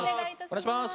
お願いします！